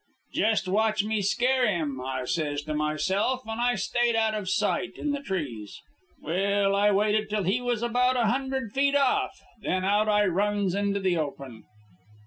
"'Jest watch me scare him,' I says to myself, and I stayed out of sight in the trees. "Well, I waited till he was about a hundred feet off, then out I runs into the open.